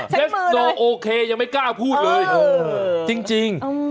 เจ๊กมือเลยโอเคยังไม่กล้าพูดเลยจริง